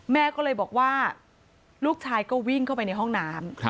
แม่ก็เลยบอกว่าลูกชายก็วิ่งเข้าไปในห้องน้ำ